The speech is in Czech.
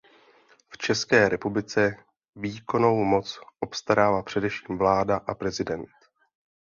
V České republice výkonnou moc obstarává především vláda a prezident.